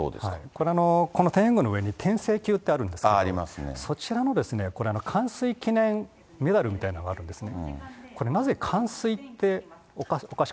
これ、この天苑宮の上に天正宮ってあるけど、そちらのかんすい記念メダルみたいのがあるんですね。